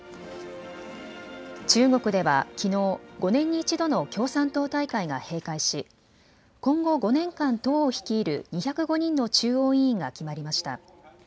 中国ではきのう、５年に１度の共産党大会が閉会し今後、５年間党を率いる２０５人の中央委員が決まりました。